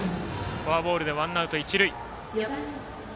フォアボールでワンアウト、一塁。